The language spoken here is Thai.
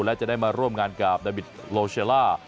และจะได้มาร่วมงานกับดาบิตโลเชล่า